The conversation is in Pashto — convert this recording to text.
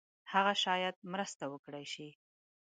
هغه شاید مرسته وکړای شي.